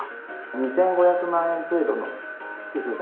２５００万円程度の寄付が、